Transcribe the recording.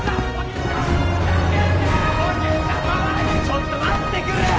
・ちょっと待ってくれよ！